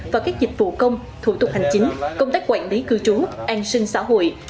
và các dịch vụ công thủ tục hành chính công tác quản lý cư trú an sinh xã hội